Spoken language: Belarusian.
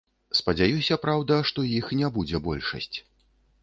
Спадзяюся, праўда, што іх не будзе большасць.